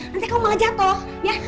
nanti kamu malah jatuh ya